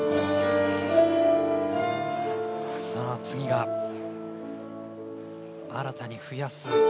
次が新たに増やす